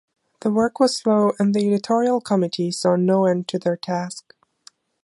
The work was slow, and the editorial committee saw no end to their task.